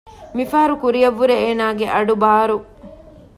މި ފަހަރު ކުރިއަށްވުރެ އޭނާގެ އަޑު ބާރު